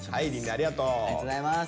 ありがとうございます。